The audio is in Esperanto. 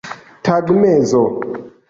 tagmezo